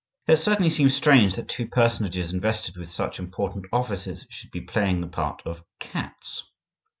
It certainly seems strange that two personages invested with such important offices should be playing the part of cats.